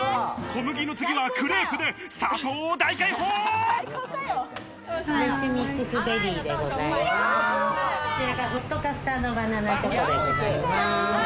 小麦の次はクレープで砂糖を大解放。